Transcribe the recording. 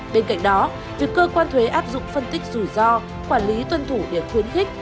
bên cạnh đó việc cơ quan thuế áp dụng phân tích rủi ro quản lý tuân thủ để khuyến khích